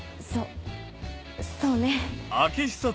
そそうね。